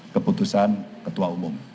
keputusan ketua umum